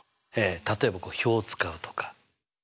例えば表を使うとか。